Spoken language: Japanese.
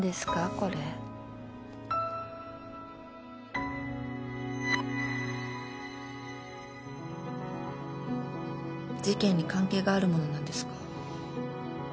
これ事件に関係があるものなんですか？